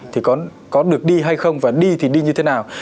thì có được đi hay không và đi thì đi như thế nào